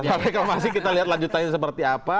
sekarang kita masih lihat lanjutannya seperti apa